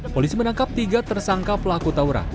polisi menangkap tiga tersangka pelaku tauran